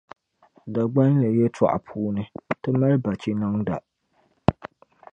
Dagbani yɛltͻɣa puuni, ti mali bachiniŋda .